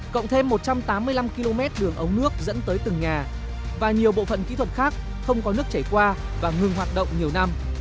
cộng thêm một trăm tám mươi năm km đường ống nước dẫn tới từng nhà và nhiều bộ phận kỹ thuật khác không có nước chảy qua và ngừng hoạt động nhiều năm